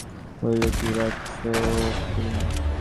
রান্নাঘরের দুয়ারে উঁকি মারিয়া বলিল, কি রাধচো ও খুড়িমা?